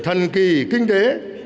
thần kỳ kinh tế